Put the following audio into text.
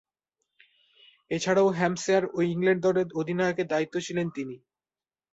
এছাড়াও, হ্যাম্পশায়ার ও ইংল্যান্ড দলের অধিনায়কের দায়িত্বে ছিলেন তিনি।